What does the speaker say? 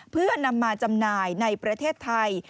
เพื่อนำมาจำหน่ายในประเทศไทย